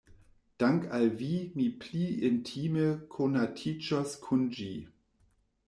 Dank' al vi mi pli intime konatiĝos kun ĝi.